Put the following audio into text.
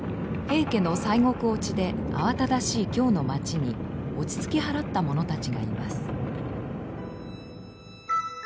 平家の西国落ちで慌ただしい京の町に落ち着き払った者たちがいます。